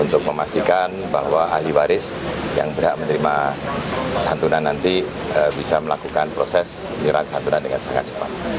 untuk memastikan bahwa ahli waris yang berhak menerima santunan nanti bisa melakukan proses penyerahan santunan dengan sangat cepat